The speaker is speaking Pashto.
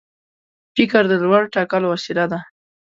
فکر د لور ټاکلو وسیله ده.